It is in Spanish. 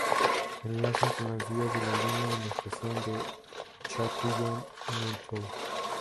Enlazan con las vías de la línea en la estación de Châtillon-Montrouge.